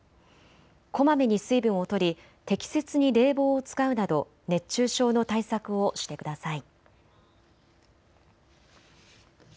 こまめに水分をとり適切に冷房を使うなど熱中症の対策をしてください。